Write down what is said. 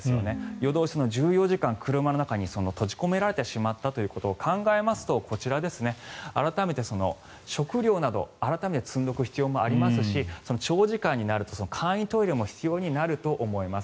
夜通しの１４時間車の中に閉じ込められてしまったことを考えますとこちら、改めて食料など改めて積んでおく必要がありますし長時間になると簡易トイレも必要になると思います。